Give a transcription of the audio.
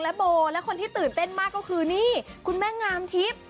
และโบและคนที่ตื่นเต้นมากก็คือนี่คุณแม่งามทิพย์